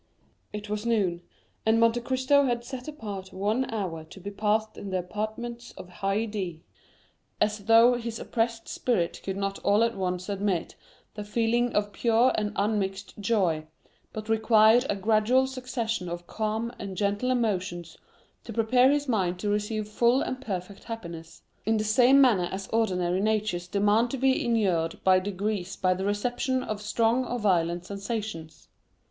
It was noon, and Monte Cristo had set apart one hour to be passed in the apartments of Haydée, as though his oppressed spirit could not all at once admit the feeling of pure and unmixed joy, but required a gradual succession of calm and gentle emotions to prepare his mind to receive full and perfect happiness, in the same manner as ordinary natures demand to be inured by degrees to the reception of strong or violent sensations.